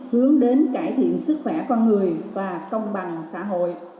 hướng đến cải thiện sức khỏe con người